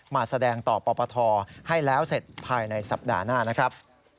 มาแสดงต่อปปทให้แล้วเสร็จภายในสัปดาห์หน้านะครับ